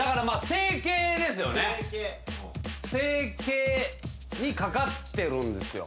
整形にかかってるんですよ。